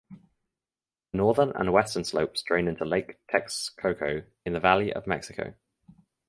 The northern and western slopes drain into Lake Texcoco in the Valley of Mexico.